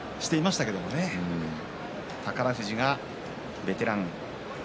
宝富士がベテラン。